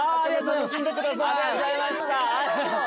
楽しんでください。